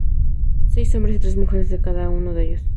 Seis hombres y tres mujeres de cada uno de ellos.